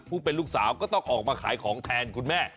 เป็นลูกสาวก็ต้องออกมาขายของแทนคุณแม่